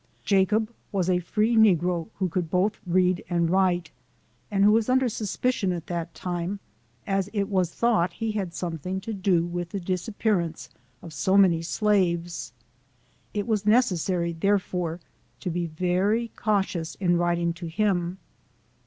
Jacob was a free negro, who could both read and write, and who was under suspicion at that time, as it was thought he had something to do with the disappearance of so many slaves. It was neces sary, therefore, to be very cautious in writing to him.